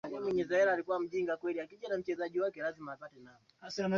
Tano mpaka sita kutoka mji wa Arusha katika mwendo wa kawaida